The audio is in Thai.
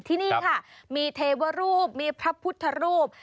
ที่นี่ค่ะมีเทวรูปมีพระพุทธรูป